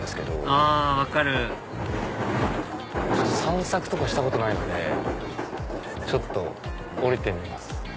あ分かる散策とかしたことないのでちょっと降りてみます。